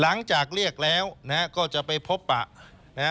หลังจากเรียกแล้วนะฮะก็จะไปพบปะนะฮะ